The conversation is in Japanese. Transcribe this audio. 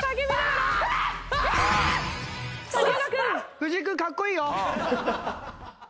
藤井君かっこいいよ。